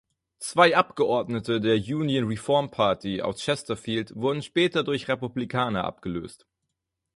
Zwei Abgeordnete der "Union Reform Party" aus Chesterfield wurden später durch Republikaner abgelöst,